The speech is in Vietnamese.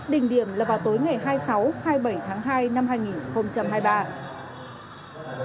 đình điểm là vào tối ngày hai mươi sáu hai mươi bảy tháng hai